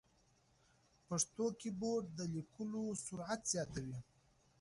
پښتو کیبورډ د لیکلو سرعت زیاتوي.